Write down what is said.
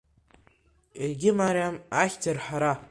Егьымариам ахьӡ арҳара.